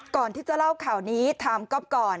ก่อนที่จะเล่าข่าวนี้ถามก๊อฟก่อน